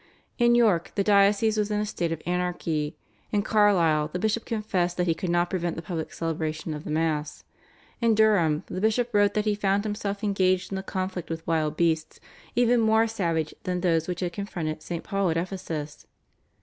In York the diocese was in a state of anarchy; in Carlisle the bishop confessed that he could not prevent the public celebration of the Mass; in Durham the bishop wrote that he found himself engaged in a conflict with wild beasts even more savage than those which had confronted St. Paul at Ephesus.